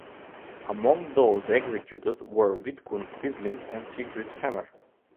Among those executed were Vidkun Quisling and Siegfried Fehmer.